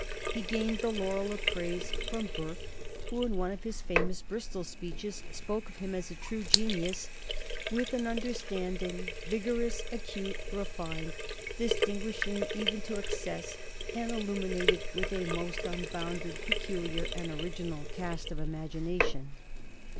He gained the laurel of praise from Burke, who, in one of his famous Bristol speeches, spoke of him as a true genius, "with an understanding vigorous, acute, relined, distinguishing even to excess; and illuminated with a most unbounded, peculiar, and original cast of imagination."